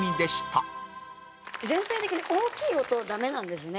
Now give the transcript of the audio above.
全体的に大きい音ダメなんですね。